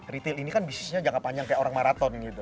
retail ini kan bisnisnya jangka panjang kayak orang maraton gitu